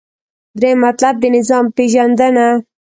دریم مطلب : د نظام پیژندنه